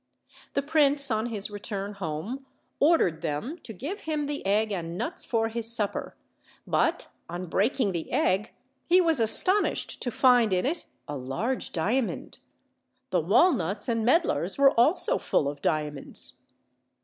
The prince on his return home ordered them to give him the egg and nuts for his supper; but on breaking the egg he was astonished to find in it a laru'e diamond; the walnuts and medlars were also full of "diamonds.